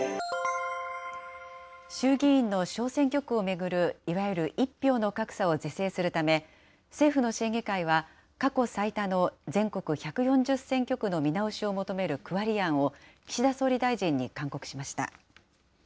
衆議院の小選挙区を巡るいわゆる１票の格差を是正するため、政府の審議会は過去最多の全国１４０選挙区の見直しを求める区割り案を、岸田総理大臣に勧告しました。